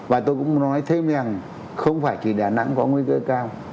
và tôi cũng nói thêm rằng không phải chỉ đà nẵng có nguy cơ cao